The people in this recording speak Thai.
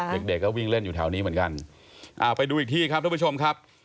เด็กเด็กก็วิ่งเล่นอยู่แถวนี้เหมือนกันไปดูอีกที่ครับทุกผู้ชมครับ